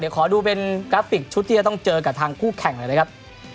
ขอดูเป็นกราฟิกชุดที่จะต้องเจอกับทางคู่แข่งหน่อยนะครับ